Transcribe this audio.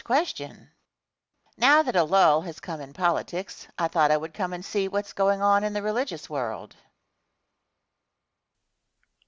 Question. Now that a lull has come in politics, I thought I would come and see what is going on in the religious world?